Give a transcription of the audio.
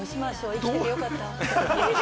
生きててよかったわ。